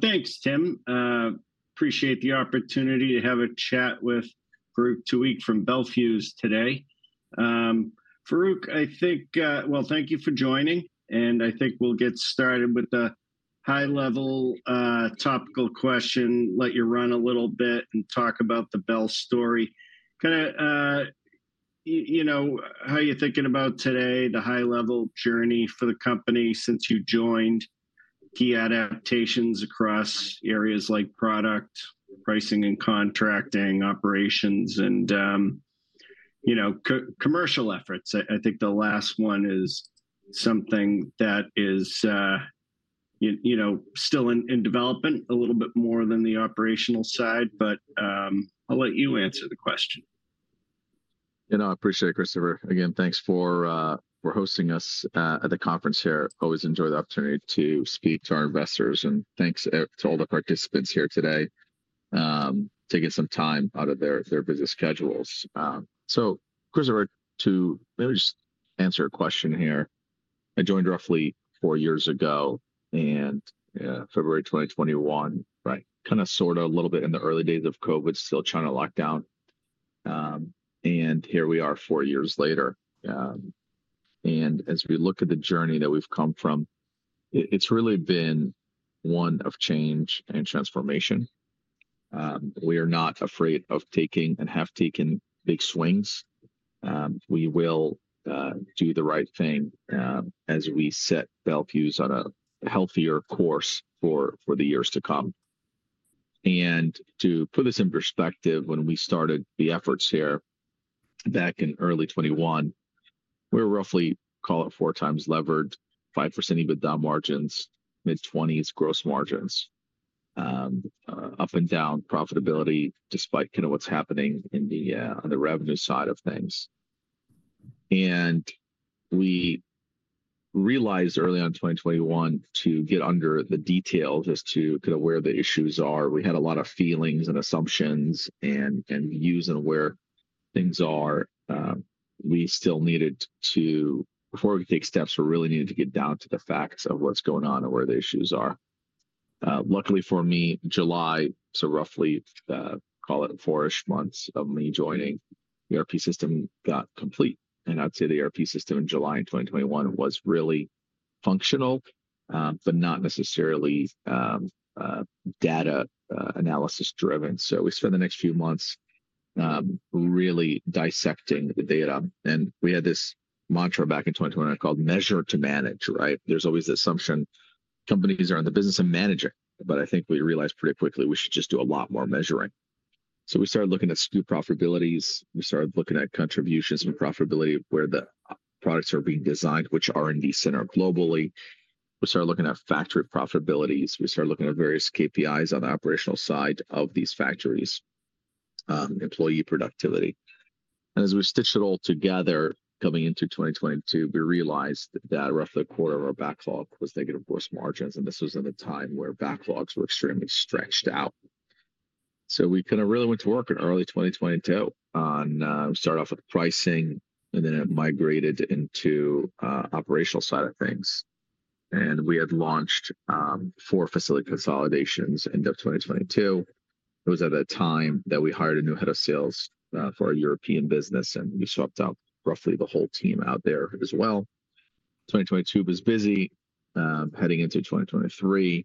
Thanks, Tim. Appreciate the opportunity to have a chat with Farouq Tuweiq from Bel Fuse today. Farouq, I think—thank you for joining. I think we'll get started with a high-level topical question, let you run a little bit, and talk about the Bel story. Kind of, you know, how are you thinking about today, the high-level journey for the company since you joined, key adaptations across areas like product, pricing, and contracting, operations, and commercial efforts? I think the last one is something that is, you know, still in development, a little bit more than the operational side, but I'll let you answer the question. I appreciate it, Christopher. Again, thanks for hosting us at the conference here. Always enjoy the opportunity to speak to our investors, and thanks to all the participants here today taking some time out of their busy schedules. Christopher, to maybe just answer a question here. I joined roughly four years ago, in February 2021, right? Kind of sort of a little bit in the early days of COVID, still trying to lock down. Here we are four years later. As we look at the journey that we've come from, it's really been one of change and transformation. We are not afraid of taking and have taken big swings. We will do the right thing as we set Bel Fuse on a healthier course for the years to come. To put this in perspective, when we started the efforts here back in early 2021, we were roughly, call it four times levered, 5% EBITDA margins, mid-20s gross margins, up and down profitability despite kind of what is happening on the revenue side of things. We realized early on in 2021 to get under the details as to kind of where the issues are. We had a lot of feelings and assumptions and views on where things are. We still needed to, before we could take steps, we really needed to get down to the facts of what is going on and where the issues are. Luckily for me, July, so roughly, call it four-ish months of me joining, the ERP system got complete. I would say the ERP system in July in 2021 was really functional, but not necessarily data analysis-driven. We spent the next few months really dissecting the data. We had this mantra back in 2021 called measure to manage, right? There's always the assumption companies are in the business of managing, but I think we realized pretty quickly we should just do a lot more measuring. We started looking at SKU profitabilities. We started looking at contributions and profitability where the products are being designed, which are indeed centered globally. We started looking at factory profitabilities. We started looking at various KPIs on the operational side of these factories, employee productivity. As we stitched it all together coming into 2022, we realized that roughly a quarter of our backlog was negative gross margins. This was at a time where backlogs were extremely stretched out. We kind of really went to work in early 2022 on starting off with pricing, and then it migrated into the operational side of things. We had launched four facility consolidations in 2022. It was at a time that we hired a new head of sales for our European business, and we swapped out roughly the whole team out there as well. 2022 was busy. Heading into 2023,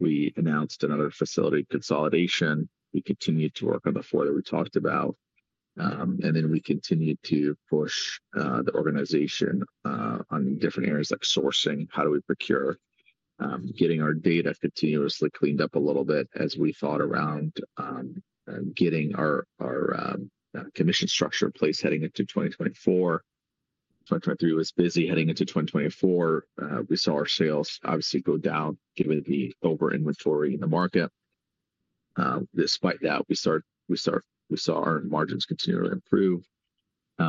we announced another facility consolidation. We continued to work on the four that we talked about. We continued to push the organization on different areas like sourcing, how do we procure, getting our data continuously cleaned up a little bit as we thought around getting our commission structure in place heading into 2024. 2023 was busy heading into 2024. We saw our sales obviously go down given the over-inventory in the market. Despite that, we saw our margins continually improve,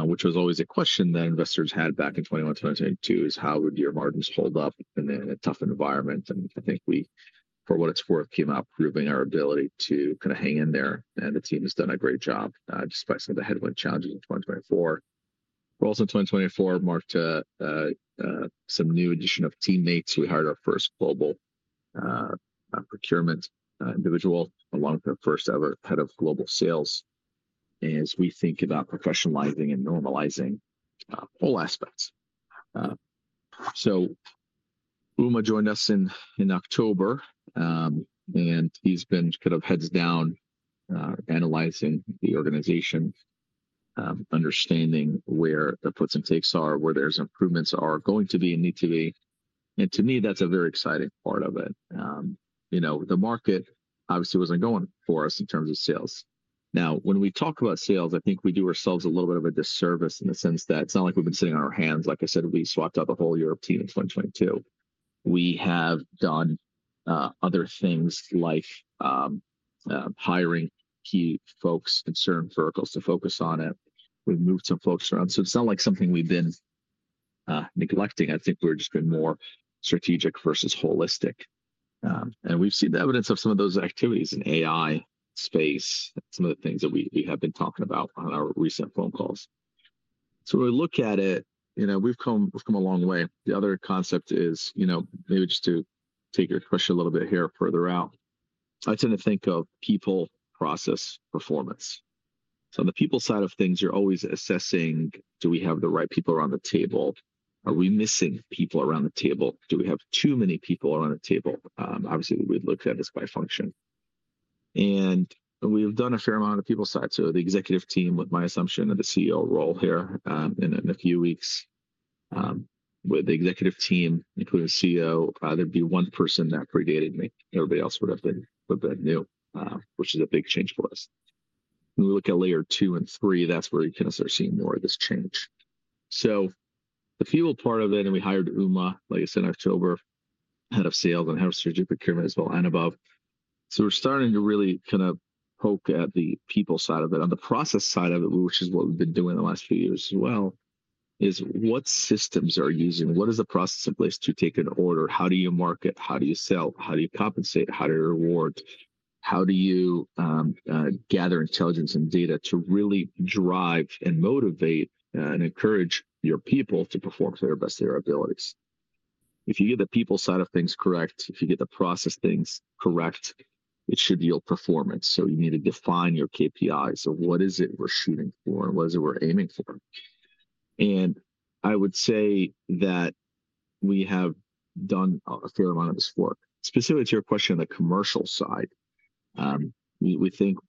which was always a question that investors had back in 2021, 2022, is how would your margins hold up in a tough environment? I think we, for what it's worth, came out proving our ability to kind of hang in there. The team has done a great job despite some of the headwind challenges in 2024. We are also in 2024, marked some new addition of teammates. We hired our first global procurement individual, along with our first-ever Head of Global Sales, as we think about professionalizing and normalizing all aspects. Uma joined us in October, and he's been kind of heads down analyzing the organization, understanding where the puts and takes are, where there's improvements are going to be and need to be. To me, that's a very exciting part of it. The market obviously was not going for us in terms of sales. Now, when we talk about sales, I think we do ourselves a little bit of a disservice in the sense that it is not like we have been sitting on our hands. Like I said, we swapped out the whole Europe team in 2022. We have done other things like hiring key folks in certain verticals to focus on it. We have moved some folks around. It is not like something we have been neglecting. I think we are just being more strategic versus holistic. We have seen the evidence of some of those activities in the AI space, some of the things that we have been talking about on our recent phone calls. When we look at it, we have come a long way. The other concept is, maybe just to take your question a little bit here further out, I tend to think of people, process, performance. On the people side of things, you're always assessing, do we have the right people around the table? Are we missing people around the table? Do we have too many people around the table? Obviously, we'd look at this by function. We've done a fair amount of people side. The executive team, with my assumption of the CEO role here in a few weeks, with the executive team, including CEO, there'd be one person that predated me. Everybody else would have been new, which is a big change for us. When we look at layer two and three, that's where you can start seeing more of this change. The fuel part of it, and we hired Uma, like I said, in October, head of sales and head of strategic procurement as well and above. We're starting to really kind of poke at the people side of it. On the process side of it, which is what we've been doing the last few years as well, is what systems are you using? What is the process in place to take an order? How do you market? How do you sell? How do you compensate? How do you reward? How do you gather intelligence and data to really drive and motivate and encourage your people to perform to the best of their abilities? If you get the people side of things correct, if you get the process things correct, it should yield performance. You need to define your KPIs. What is it we're shooting for? What is it we're aiming for? I would say that we have done a fair amount of this work. Specifically to your question on the commercial side, we think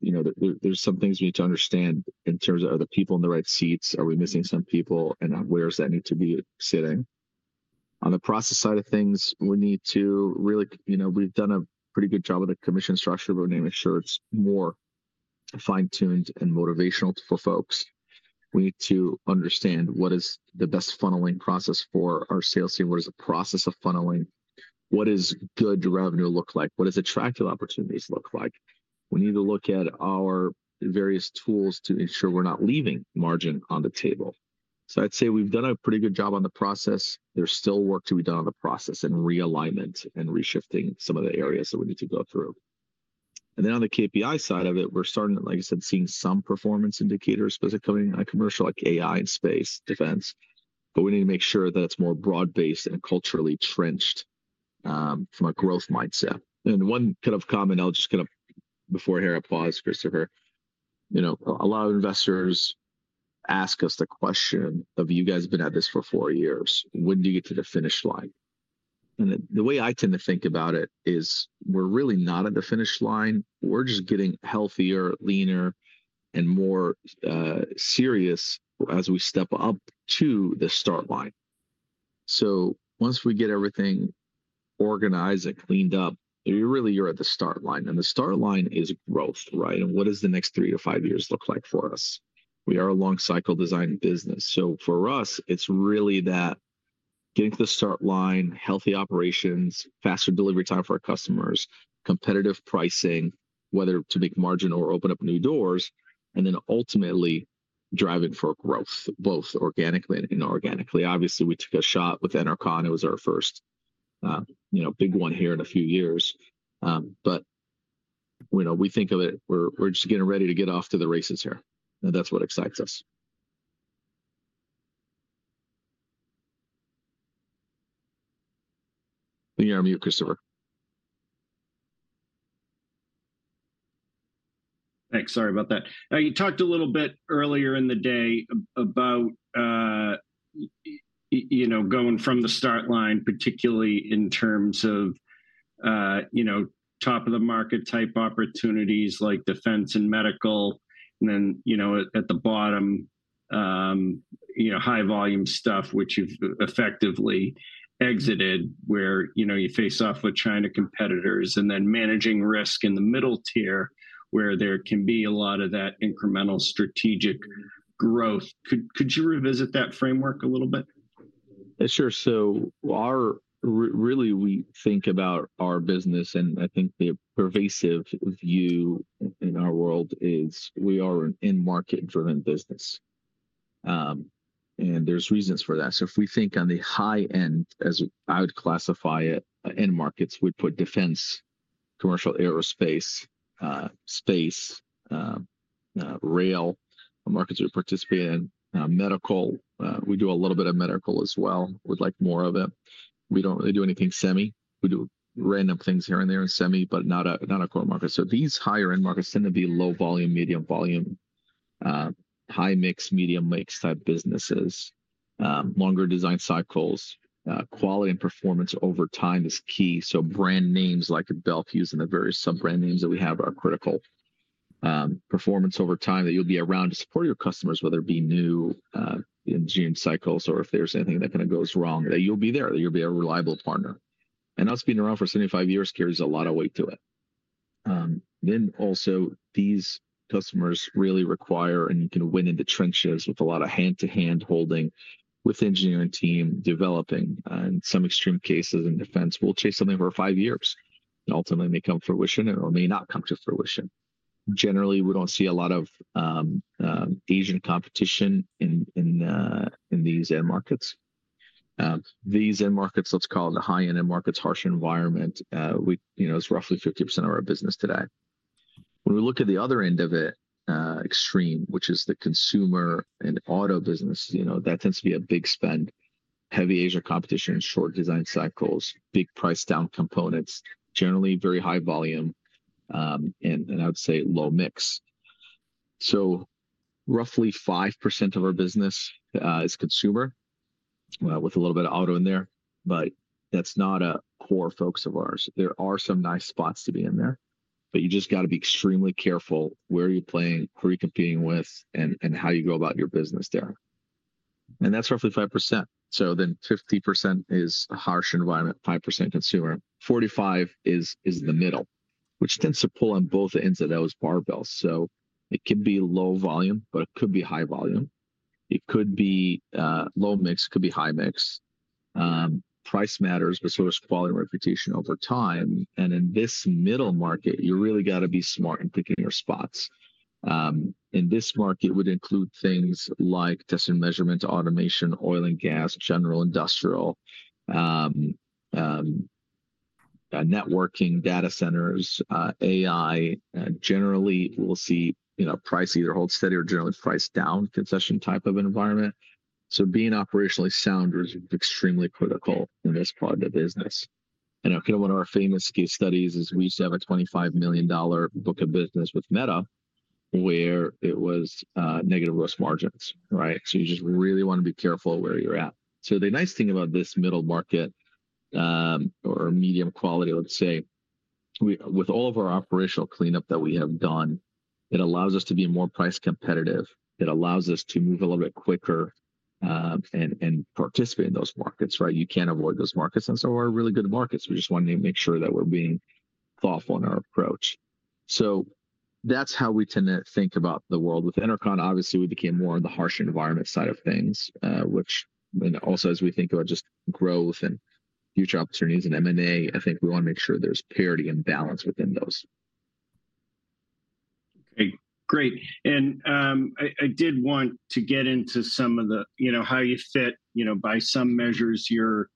there's some things we need to understand in terms of are the people in the right seats? Are we missing some people? Where does that need to be sitting? On the process side of things, we've done a pretty good job of the commission structure, but we need to make sure it's more fine-tuned and motivational for folks. We need to understand what is the best funneling process for our sales team, what is the process of funneling, what does good revenue look like, what does attractive opportunities look like? We need to look at our various tools to ensure we're not leaving margin on the table. I'd say we've done a pretty good job on the process. There's still work to be done on the process and realignment and reshifting some of the areas that we need to go through. On the KPI side of it, we're starting, like I said, seeing some performance indicators specifically coming out of commercial like AI and space defense, but we need to make sure that it's more broad-based and culturally trenched from a growth mindset. One kind of comment, I'll just kind of—before I pause here, Christopher. A lot of investors ask us the question of, "You guys have been at this for four years. When do you get to the finish line?" The way I tend to think about it is we're really not at the finish line. We're just getting healthier, leaner, and more serious as we step up to the start line. Once we get everything organized and cleaned up, you really are at the start line. The start line is growth, right? What does the next three to five years look like for us? We are a long-cycle design business. For us, it's really that getting to the start line, healthy operations, faster delivery time for our customers, competitive pricing, whether to make margin or open up new doors, and then ultimately driving for growth, both organically and inorganically. Obviously, we took a shot with Enercon. It was our first big one here in a few years. We think of it, we're just getting ready to get off to the races here. That's what excites us. You're on mute, Christopher. Thanks. Sorry about that. You talked a little bit earlier in the day about going from the start line, particularly in terms of top-of-the-market type opportunities like defense and medical, and then at the bottom, high-volume stuff, which you've effectively exited where you face off with China competitors, and then managing risk in the middle tier where there can be a lot of that incremental strategic growth. Could you revisit that framework a little bit? Sure. So really, we think about our business, and I think the pervasive view in our world is we are an in-market-driven business. There are reasons for that. If we think on the high end, as I would classify it, end markets, we would put defense, commercial aerospace, space, rail, markets we participate in, medical. We do a little bit of medical as well. We would like more of it. We do not really do anything semi. We do random things here and there in semi, but not a core market. These higher-end markets tend to be low volume, medium volume, high mix, medium mix type businesses, longer design cycles. Quality and performance over time is key. Brand names like Bel Fuse and the various sub-brand names that we have are critical. Performance over time that you'll be around to support your customers, whether it be new engineering cycles or if there's anything that kind of goes wrong, that you'll be there, that you'll be a reliable partner. Us being around for 75 years carries a lot of weight to it. These customers really require, and you can win in the trenches with a lot of hand-to-hand holding with the engineering team developing. In some extreme cases in defense, we'll chase something for five years. Ultimately, it may come to fruition or may not come to fruition. Generally, we don't see a lot of Asian competition in these end markets. These end markets, let's call it the high-end end markets, harsh environment, is roughly 50% of our business today. When we look at the other end of it, extreme, which is the consumer and auto business, that tends to be a big spend, heavy Asia competition, short design cycles, big price down components, generally very high volume, and I would say low mix. Roughly 5% of our business is consumer with a little bit of auto in there, but that's not a core focus of ours. There are some nice spots to be in there, but you just got to be extremely careful where you're playing, who you're competing with, and how you go about your business there. That's roughly 5%. Fifty percent is a harsh environment, 5% consumer. Forty-five percent is the middle, which tends to pull on both ends of those barbells. It can be low volume, but it could be high volume. It could be low mix, could be high mix. Price matters, but so does quality and reputation over time. In this middle market, you really got to be smart in picking your spots. In this market, it would include things like testing measurement, automation, oil and gas, general industrial, networking, data centers, AI. Generally, we'll see price either hold steady or generally price down concession type of environment. Being operationally sound is extremely critical in this part of the business. One of our famous case studies is we used to have a $25 million book of business with Meta where it was negative gross margins, right? You just really want to be careful where you're at. The nice thing about this middle market or medium quality, let's say, with all of our operational cleanup that we have done, it allows us to be more price competitive. It allows us to move a little bit quicker and participate in those markets, right? You can't avoid those markets. They are really good markets. We just want to make sure that we're being thoughtful in our approach. That is how we tend to think about the world. With Enercon, obviously, we became more on the harsh environment side of things, which also, as we think about just growth and future opportunities in M&A, I think we want to make sure there's parity and balance within those. Okay. Great. I did want to get into some of the how you fit. By some measures, you're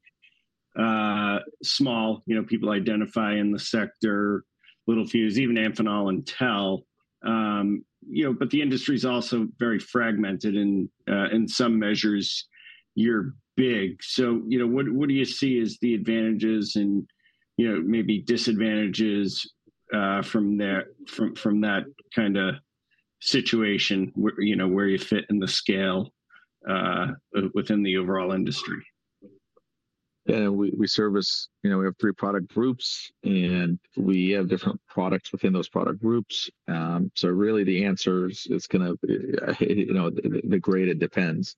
small. People identify in the sector, Littelfuse, even Amphenol, Intel. The industry is also very fragmented. In some measures, you're big. What do you see as the advantages and maybe disadvantages from that kind of situation where you fit in the scale within the overall industry? We service, we have three product groups, and we have different products within those product groups. Really, the answer is kind of the great it depends.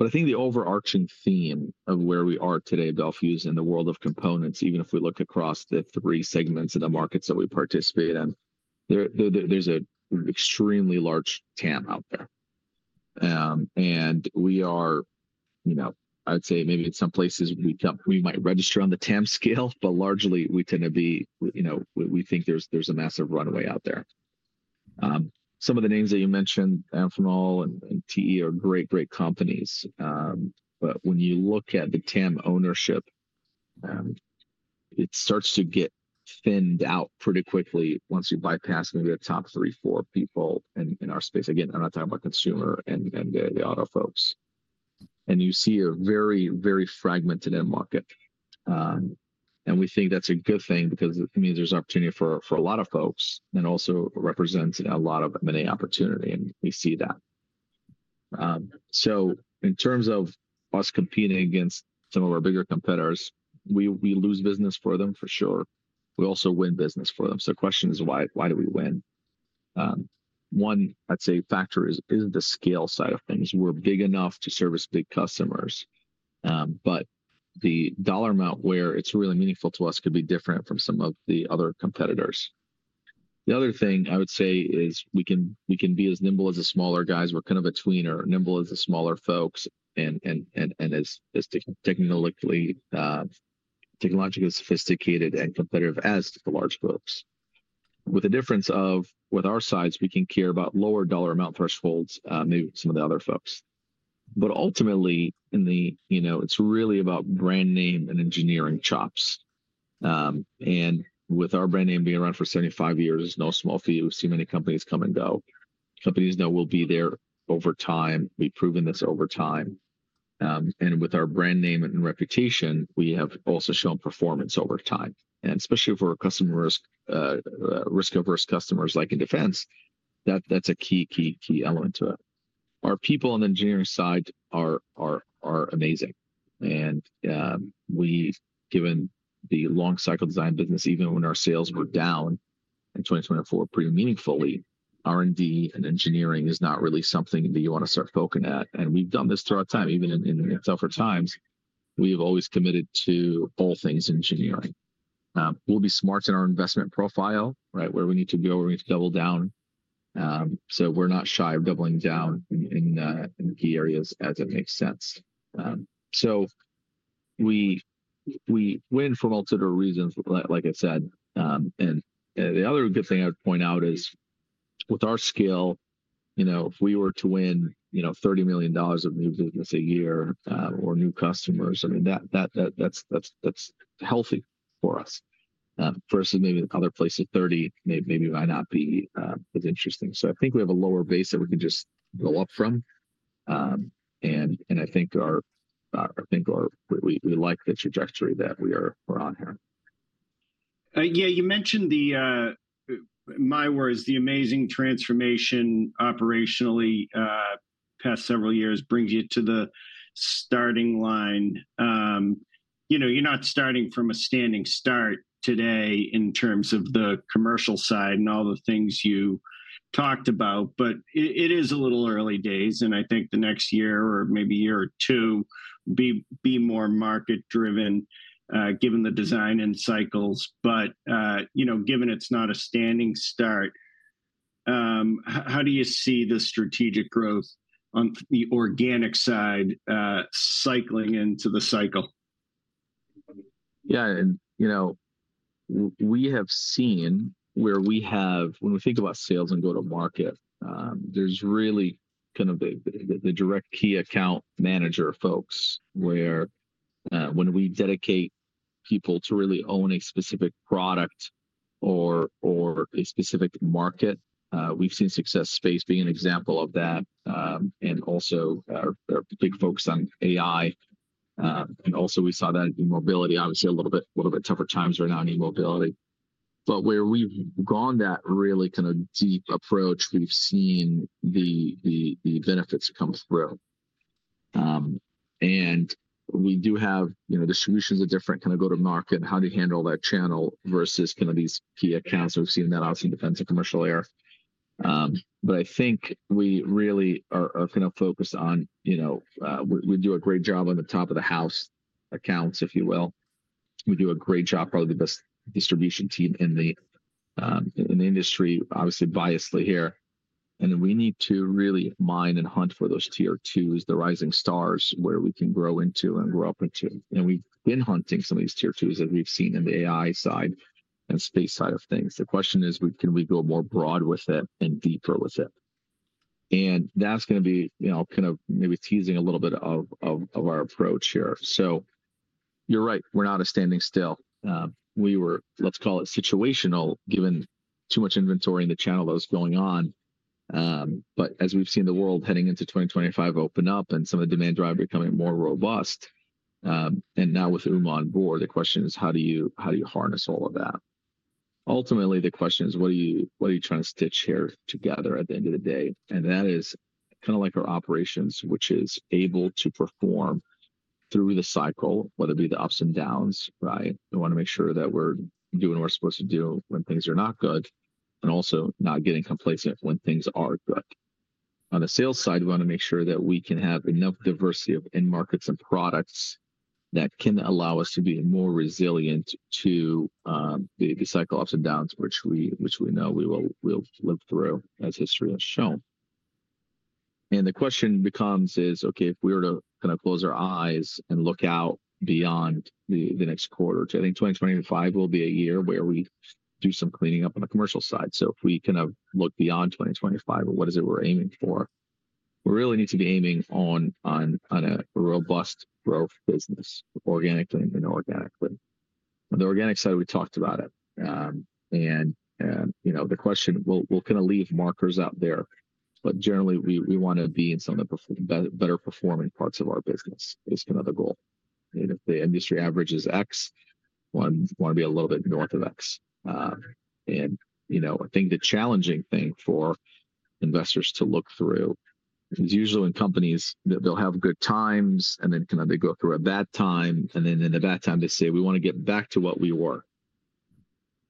I think the overarching theme of where we are today, Bel Fuse in the world of components, even if we look across the three segments of the markets that we participate in, there's an extremely large TAM out there. We are, I'd say maybe in some places, we might register on the TAM scale, but largely, we tend to be, we think there's a massive runway out there. Some of the names that you mentioned, Amphenol and TE are great, great companies. When you look at the TAM ownership, it starts to get thinned out pretty quickly once you bypass maybe the top three, four people in our space. Again, I'm not talking about consumer and the auto folks. You see a very, very fragmented end market. We think that's a good thing because it means there's opportunity for a lot of folks and also represents a lot of M&A opportunity, and we see that. In terms of us competing against some of our bigger competitors, we lose business for them for sure. We also win business for them. The question is, why do we win? One, I'd say factor is the scale side of things. We're big enough to service big customers. The dollar amount where it's really meaningful to us could be different from some of the other competitors. The other thing I would say is we can be as nimble as the smaller guys. We're kind of a tweener, nimble as the smaller folks and as technologically sophisticated and competitive as the large folks. With the difference of with our sides, we can care about lower dollar amount thresholds, maybe some of the other folks. Ultimately, it's really about brand name and engineering chops. With our brand name being around for 75 years, it's no small feat. We've seen many companies come and go. Companies know we'll be there over time. We've proven this over time. With our brand name and reputation, we have also shown performance over time. Especially for risk-averse customers like in defense, that's a key, key, key element to it. Our people on the engineering side are amazing. Given the long-cycle design business, even when our sales were down in 2024 pretty meaningfully, R&D and engineering is not really something that you want to start focusing at. We've done this throughout time. Even in tougher times, we have always committed to all things engineering. We'll be smart in our investment profile, right? Where we need to go, we need to double down. We're not shy of doubling down in key areas as it makes sense. We win for multiple reasons, like I said. The other good thing I would point out is with our scale, if we were to win $30 million of new business a year or new customers, I mean, that's healthy for us. Versus maybe other places, $30 million might not be as interesting. I think we have a lower base that we can just go up from. I think we like the trajectory that we're on here. Yeah. You mentioned the, my words, the amazing transformation operationally past several years brings you to the starting line. You're not starting from a standing start today in terms of the commercial side and all the things you talked about. It is a little early days. I think the next year or maybe year or two be more market-driven given the design and cycles. Given it's not a standing start, how do you see the strategic growth on the organic side cycling into the cycle? Yeah. We have seen where we have, when we think about sales and go-to-market, there's really kind of the direct key account manager folks where when we dedicate people to really own a specific product or a specific market, we've seen Success Space being an example of that and also a big focus on AI. We saw that in mobility, obviously a little bit tougher times right now in e-mobility. Where we've gone that really kind of deep approach, we've seen the benefits come through. We do have distributions of different kind of go-to-market and how do you handle that channel versus kind of these key accounts. We've seen that also in defense and commercial air. I think we really are kind of focused on, we do a great job on the top of the house accounts, if you will. We do a great job, probably the best distribution team in the industry, obviously biasedly here. We need to really mine and hunt for those tier twos, the rising stars where we can grow into and grow up into. We have been hunting some of these tier twos that we have seen in the AI side and space side of things. The question is, can we go more broad with it and deeper with it? That is going to be kind of maybe teasing a little bit of our approach here. You are right, we are not standing still. We were, let us call it situational, given too much inventory in the channel that was going on. As we've seen the world heading into 2025 open up and some of the demand drive becoming more robust, and now with on board, the question is, how do you harness all of that? Ultimately, the question is, what are you trying to stitch here together at the end of the day? That is kind of like our operations, which is able to perform through the cycle, whether it be the ups and downs, right? We want to make sure that we're doing what we're supposed to do when things are not good and also not getting complacent when things are good. On the sales side, we want to make sure that we can have enough diversity of end markets and products that can allow us to be more resilient to the cycle ups and downs, which we know we'll live through as history has shown. The question becomes is, okay, if we were to kind of close our eyes and look out beyond the next quarter, I think 2025 will be a year where we do some cleaning up on the commercial side. If we kind of look beyond 2025, what is it we're aiming for? We really need to be aiming on a robust growth business organically and inorganically. On the organic side, we talked about it. The question, we'll kind of leave markers out there. Generally, we want to be in some of the better performing parts of our business is kind of the goal. If the industry average is X, we want to be a little bit north of X. I think the challenging thing for investors to look through is usually when companies, they'll have good times and then kind of they go through a bad time. In the bad time, they say, we want to get back to what we were.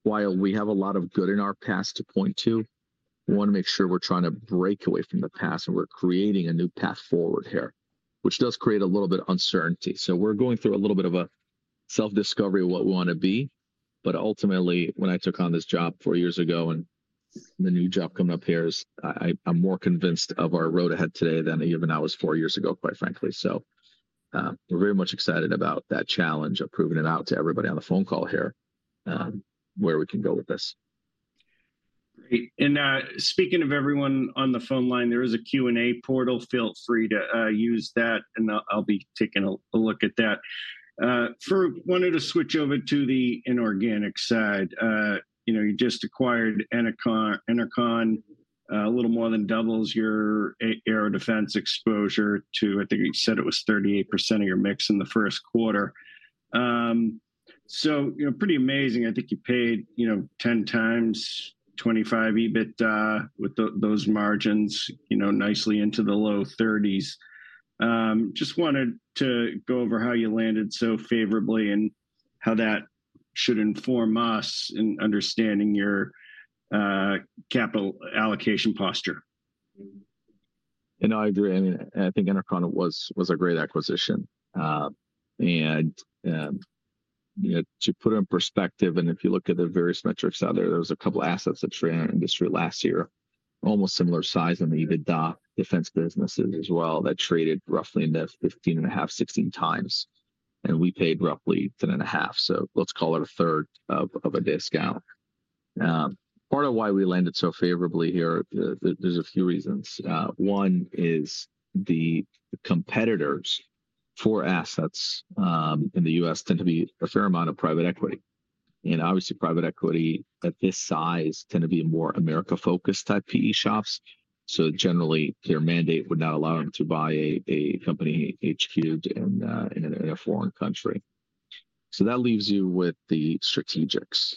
While we have a lot of good in our past to point to, we want to make sure we're trying to break away from the past and we're creating a new path forward here, which does create a little bit of uncertainty. We're going through a little bit of a self-discovery of what we want to be. Ultimately, when I took on this job four years ago and the new job coming up here, I'm more convinced of our road ahead today than even I was four years ago, quite frankly. We're very much excited about that challenge of proving it out to everybody on the phone call here where we can go with this. Great. Speaking of everyone on the phone line, there is a Q&A portal. Feel free to use that, and I'll be taking a look at that. For wanted to switch over to the inorganic side. You just acquired Enercon. A little more than doubles your aero defense exposure to, I think you said it was 38% of your mix in the first quarter. Pretty amazing. I think you paid 10 times 25 EBITDA with those margins nicely into the low 30s. Just wanted to go over how you landed so favorably and how that should inform us in understanding your capital allocation posture. I agree. I think Enercon was a great acquisition. To put it in perspective, if you look at the various metrics out there, there were a couple of assets that traded in our industry last year, almost similar size in the EBITDA defense businesses as well, that traded roughly in the 15.5-16 times. We paid roughly 10.5. Let's call it a third of a discount. Part of why we landed so favorably here, there are a few reasons. One is the competitors for assets in the US tend to be a fair amount of private equity. Obviously, private equity at this size tend to be more America-focused type PE shops. Generally, their mandate would not allow them to buy a company HQ'd in a foreign country. That leaves you with the strategics.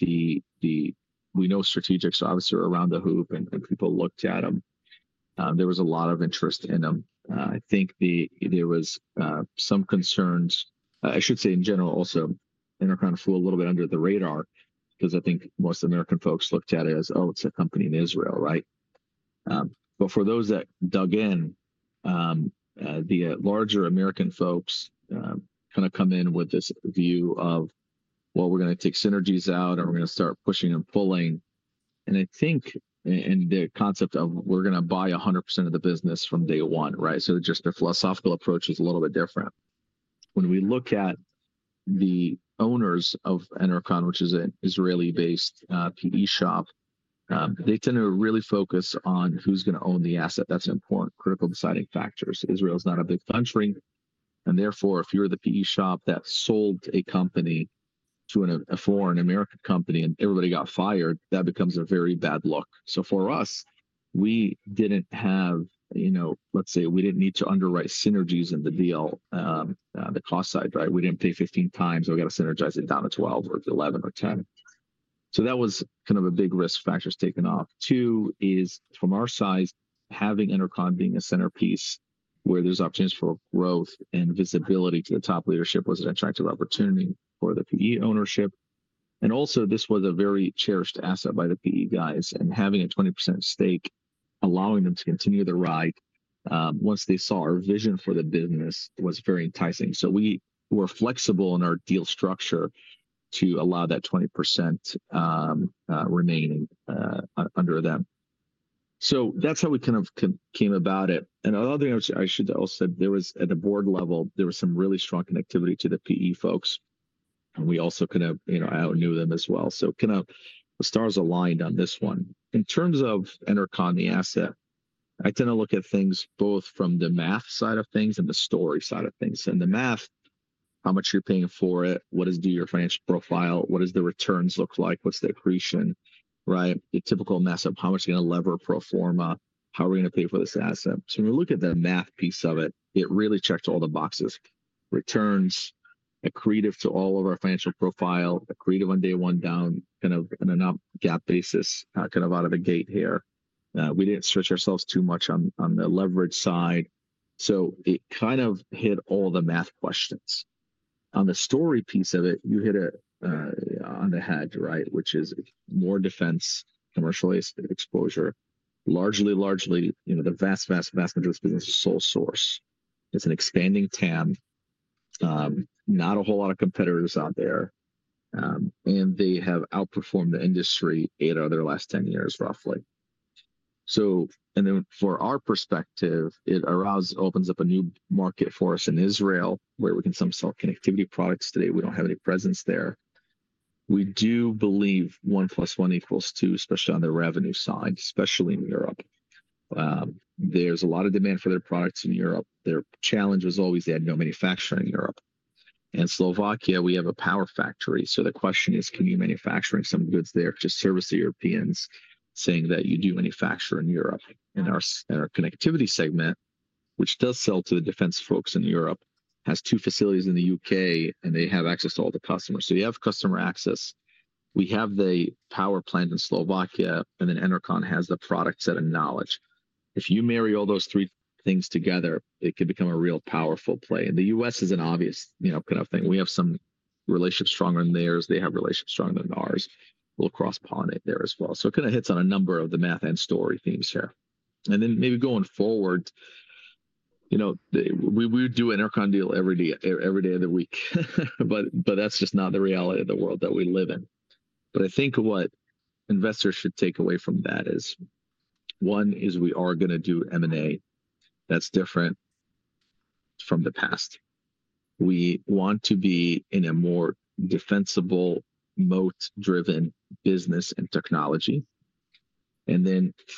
We know strategics obviously are around the hoop and people looked at them. There was a lot of interest in them. I think there was some concerns, I should say in general also, Enercon flew a little bit under the radar because I think most American folks looked at it as, oh, it's a company in Israel, right? For those that dug in, the larger American folks kind of come in with this view of, well, we're going to take synergies out and we're going to start pushing and pulling. I think in the concept of we're going to buy 100% of the business from day one, right? Just the philosophical approach is a little bit different. When we look at the owners of Enercon, which is an Israeli-based PE shop, they tend to really focus on who's going to own the asset. That's an important critical deciding factor. Israel is not a big country. Therefore, if you're the PE shop that sold a company to a foreign American company and everybody got fired, that becomes a very bad look. For us, we didn't have, let's say, we didn't need to underwrite synergies in the deal, the cost side, right? We didn't pay 15 times. We got to synergize it down to 12 or 11 or 10. That was kind of a big risk factor taken off. Two is from our size, having Enercon being a centerpiece where there's opportunities for growth and visibility to the top leadership was an attractive opportunity for the PE ownership. Also, this was a very cherished asset by the PE guys. Having a 20% stake, allowing them to continue the ride once they saw our vision for the business was very enticing. We were flexible in our deal structure to allow that 20% remaining under them. That is how we kind of came about it. Another thing I should also say, at the board level, there was some really strong connectivity to the PE folks. We also kind of knew them as well. The stars aligned on this one. In terms of Enercon the asset, I tend to look at things both from the math side of things and the story side of things. The math, how much you are paying for it, what is your financial profile, what do the returns look like, what is the accretion, right? The typical mess of how much is going to lever pro forma, how are we going to pay for this asset? When we look at the math piece of it, it really checked all the boxes. Returns, accretive to all of our financial profile, accretive on day one down kind of on an up gap basis, kind of out of the gate here. We did not stretch ourselves too much on the leverage side. It kind of hit all the math questions. On the story piece of it, you hit it on the head, right? Which is more defense commercial exposure, largely, largely the vast, vast, vast majority of business is sole source. It is an expanding TAM, not a whole lot of competitors out there. They have outperformed the industry eight out of their last 10 years, roughly. From our perspective, it opens up a new market for us in Israel where we can sell connectivity products today. We do not have any presence there. We do believe one plus one equals two, especially on the revenue side, especially in Europe. There is a lot of demand for their products in Europe. Their challenge was always they had no manufacturing in Europe. In Slovakia, we have a power factory. The question is, can you manufacture some goods there to service the Europeans saying that you do manufacture in Europe? Our connectivity segment, which does sell to the defense folks in Europe, has two facilities in the U.K., and they have access to all the customers. You have customer access. We have the power plant in Slovakia, and then Enercon has the product set and knowledge. If you marry all those three things together, it could become a real powerful play. The U.S. is an obvious kind of thing. We have some relationships stronger than theirs. They have relationships stronger than ours. We'll cross-pollinate there as well. It kind of hits on a number of the math and story themes here. Maybe going forward, we would do an Enercon deal every day of the week, but that's just not the reality of the world that we live in. I think what investors should take away from that is, one is we are going to do M&A that's different from the past. We want to be in a more defensible moat-driven business and technology.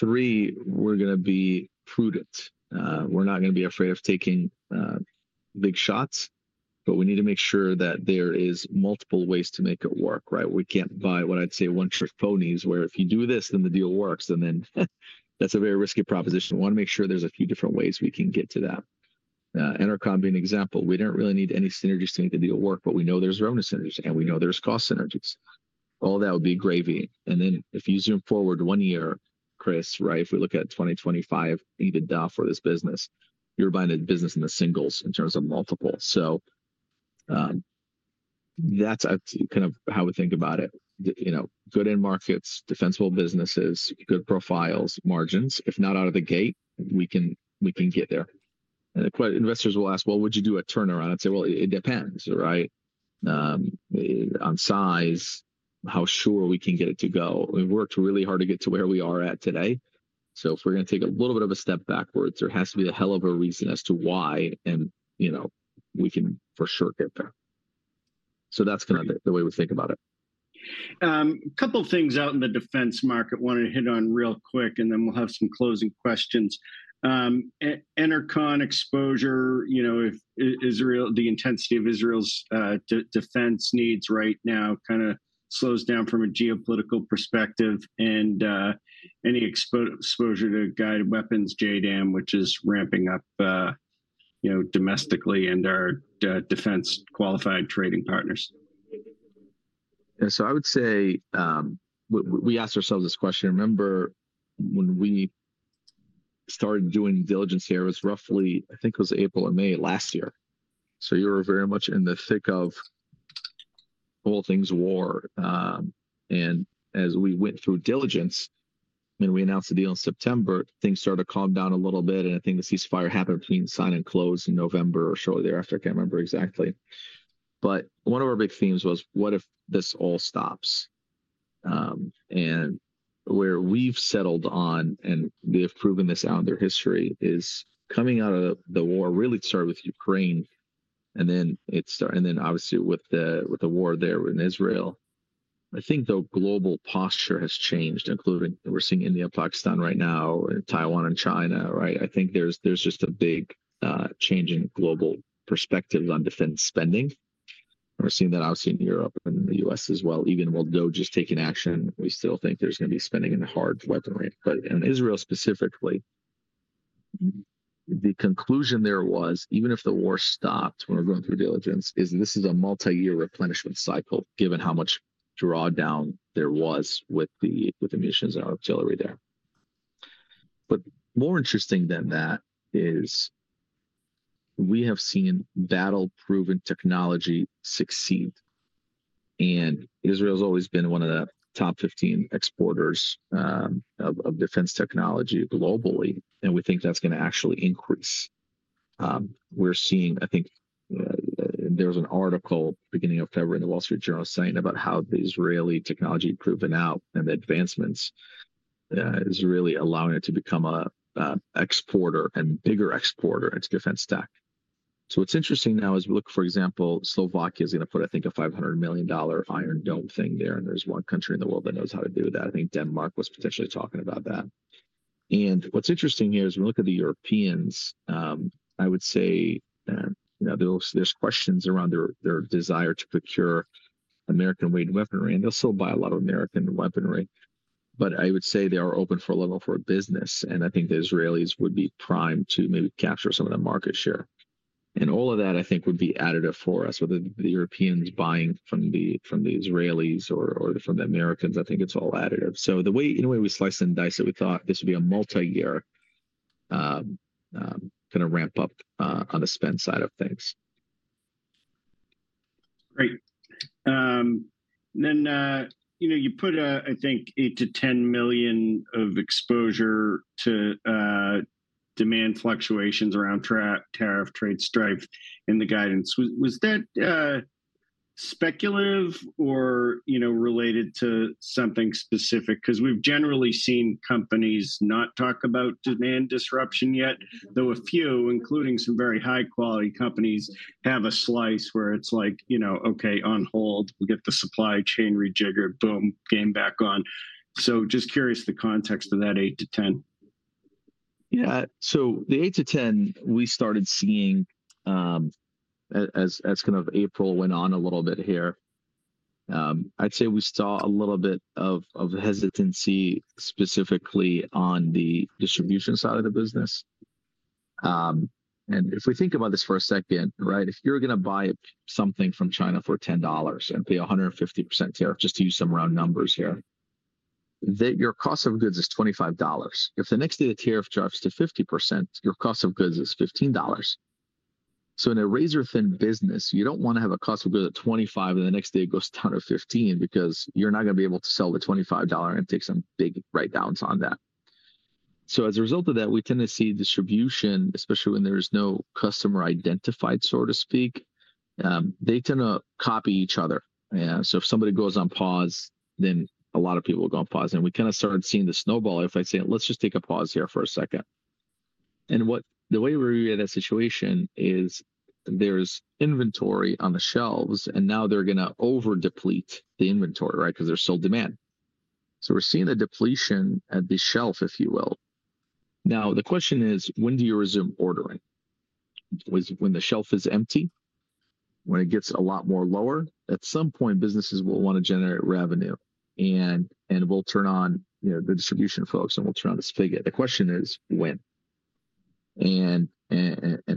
Three, we're going to be prudent. We're not going to be afraid of taking big shots, but we need to make sure that there are multiple ways to make it work, right? We can't buy what I'd say one trick ponies where if you do this, then the deal works, and then that's a very risky proposition. We want to make sure there's a few different ways we can get to that. Enercon being an example, we don't really need any synergies to make the deal work, but we know there's revenue synergies and we know there's cost synergies. All that would be gravy. If you zoom forward one year, Chris, right? If we look at 2025 EBITDA for this business, you're buying a business in the singles in terms of multiple. That is kind of how we think about it. Good end markets, defensible businesses, good profiles, margins. If not out of the gate, we can get there. Investors will ask, would you do a turnaround? I'd say, it depends, right? On size, how sure we can get it to go. We've worked really hard to get to where we are at today. If we're going to take a little bit of a step backwards, there has to be a hell of a reason as to why and we can for sure get there. That's kind of the way we think about it. A couple of things out in the defense market, wanted to hit on real quick, and then we'll have some closing questions. Enercon exposure, the intensity of Israel's defense needs right now kind of slows down from a geopolitical perspective and any exposure to guided weapons JDAM, which is ramping up domestically and our defense qualified trading partners. Yeah. I would say we asked ourselves this question. Remember when we started doing diligence here, it was roughly, I think it was April or May last year. You were very much in the thick of all things war. As we went through diligence and we announced the deal in September, things started to calm down a little bit. I think the ceasefire happened between sign and close in November or shortly thereafter. I can't remember exactly. One of our big themes was, what if this all stops? Where we've settled on, and they've proven this out in their history, is coming out of the war really started with Ukraine and then obviously with the war there in Israel. I think the global posture has changed, including we're seeing India, Pakistan right now, and Taiwan and China, right? I think there's just a big change in global perspectives on defense spending. We're seeing that obviously in Europe and the U.S. as well. Even while DoD is taking action, we still think there's going to be spending in the hard weaponry. In Israel specifically, the conclusion there was, even if the war stopped when we're going through diligence, this is a multi-year replenishment cycle given how much drawdown there was with the munitions and artillery there. More interesting than that is we have seen battle-proven technology succeed. Israel has always been one of the top 15 exporters of defense technology globally. We think that's going to actually increase. We're seeing, I think there was an article beginning of February in the Wall Street Journal saying about how the Israeli technology proving out and the advancements is really allowing it to become an exporter and bigger exporter into defense tech. What's interesting now is we look, for example, Slovakia is going to put, I think, a $500 million Iron Dome thing there. There's one country in the world that knows how to do that. I think Denmark was potentially talking about that. What's interesting here is we look at the Europeans, I would say there's questions around their desire to procure American-made weaponry. They'll still buy a lot of American weaponry. I would say they are open for a level for a business. I think the Israelis would be primed to maybe capture some of the market share. All of that, I think, would be additive for us. Whether the Europeans buying from the Israelis or from the Americans, I think it's all additive. The way we slice and dice it, we thought this would be a multi-year kind of ramp up on the spend side of things. Great. You put, I think, $8 million-$10 million of exposure to demand fluctuations around tariff, trade, strife in the guidance. Was that speculative or related to something specific? Because we've generally seen companies not talk about demand disruption yet, though a few, including some very high-quality companies, have a slice where it's like, okay, on hold, we'll get the supply chain rejiggered, boom, game back on. Just curious the context of that 8 -10 . Yeah. The 8-10, we started seeing as kind of April went on a little bit here, I'd say we saw a little bit of hesitancy specifically on the distribution side of the business. If we think about this for a second, right? If you're going to buy something from China for $10 and pay 150% tariff, just to use some round numbers here, your cost of goods is $25. If the next day the tariff drops to 50%, your cost of goods is $15. In a razor-thin business, you don't want to have a cost of goods at $25 and the next day it goes down to $15 because you're not going to be able to sell the $25 and take some big write-downs on that. As a result of that, we tend to see distribution, especially when there is no customer identified, so to speak, they tend to copy each other. If somebody goes on pause, then a lot of people will go on pause. We kind of started seeing the snowball effect. Let's just take a pause here for a second. The way we read that situation is there's inventory on the shelves and now they're going to over-deplete the inventory, right? Because there's still demand. We're seeing a depletion at the shelf, if you will. The question is, when do you resume ordering? When the shelf is empty? When it gets a lot more lower? At some point, businesses will want to generate revenue and we'll turn on the distribution folks and we'll turn on the spigot. The question is, when? And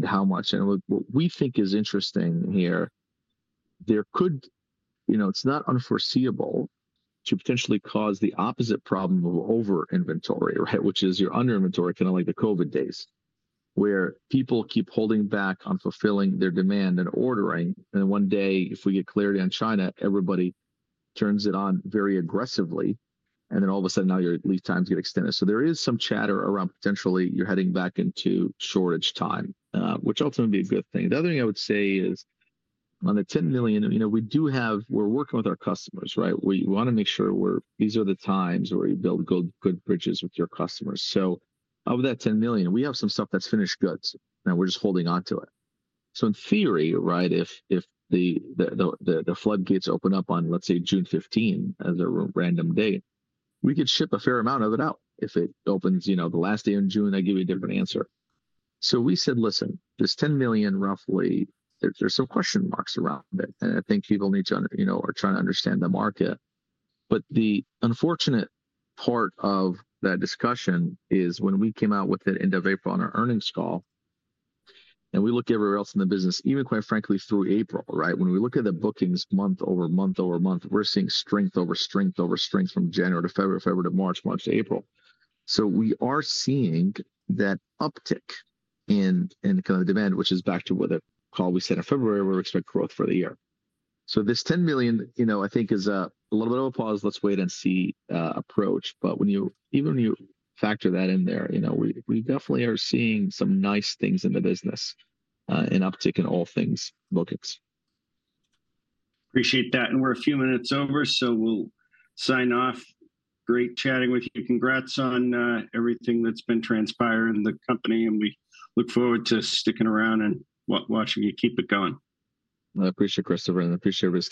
how much? What we think is interesting here, there could, it's not unforeseeable to potentially cause the opposite problem of over-inventory, right? Which is your under-inventory, kind of like the COVID days, where people keep holding back on fulfilling their demand and ordering. One day, if we get clarity on China, everybody turns it on very aggressively. All of a sudden, now your lead times get extended. There is some chatter around potentially you're heading back into shortage time, which ultimately would be a good thing. The other thing I would say is on the $10 million, we do have, we're working with our customers, right? We want to make sure these are the times where you build good bridges with your customers. Of that $10 million, we have some stuff that's finished goods. Now we're just holding onto it. In theory, right, if the floodgates open up on, let's say, June 15 as a random date, we could ship a fair amount of it out. If it opens the last day in June, I give you a different answer. We said, listen, this $10 million roughly, there's some question marks around it. I think people need to, you know, are trying to understand the market. The unfortunate part of that discussion is when we came out with it end of April on our earnings call and we look everywhere else in the business, even quite frankly through April, right? When we look at the bookings month over month over month, we're seeing strength over strength over strength from January to February, February to March, March to April. We are seeing that uptick in kind of the demand, which is back to what the call we set in February where we expect growth for the year. This $10 million, you know, I think is a little bit of a pause. Let's wait and see approach. Even when you factor that in there, you know, we definitely are seeing some nice things in the business and uptick in all things bookings. Appreciate that. We're a few minutes over, so we'll sign off. Great chatting with you. Congrats on everything that's been transpired in the company. We look forward to sticking around and watching you keep it going. I appreciate it, Christopher. I appreciate everybody's.